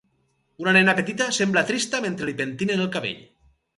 Una nena petita sembla trista mentre li pentinen el cabell.